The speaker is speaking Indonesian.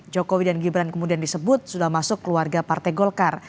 jokowi dan gibran kemudian disebut sudah masuk keluarga partai golkar